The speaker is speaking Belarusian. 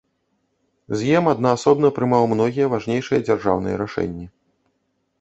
З'ем аднаасобна прымаў многія важнейшыя дзяржаўныя рашэнні.